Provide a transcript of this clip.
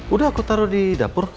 udah aku taruh di dapur